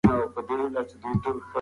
سخت برس د لثې زیانمنوي.